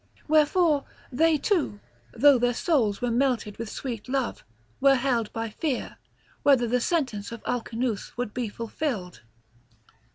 Wherefore they too, though their souls were melted with sweet love, were held by fear, whether the sentence of Alcinous would be fulfilled.